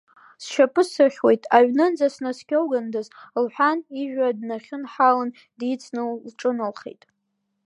Сшьапы сыхьуеит, аҩнынӡа снаскьоугондаз, — лҳәан, ижәҩа днахьынҳалан, дицны лҿыналхеит.